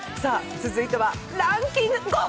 続いてはランキング、ゴー！